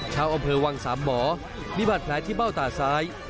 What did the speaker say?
ชาวอำเภอวังสามหมอมีบาดแผลที่เบ้าตาซ้าย